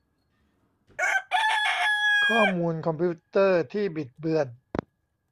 ข้อมูลคอมพิวเตอร์ที่บิดเบือน